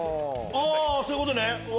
そういうことね。